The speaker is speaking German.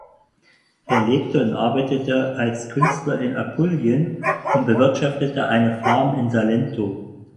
Er lebte und arbeitete als Künstler in Apulien und bewirtschaftete eine Farm im Salento.